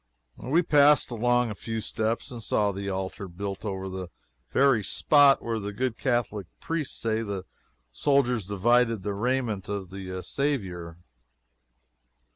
We passed along a few steps and saw the altar built over the very spot where the good Catholic priests say the soldiers divided the raiment of the Saviour.